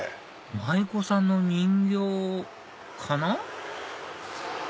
舞子さんの人形かな？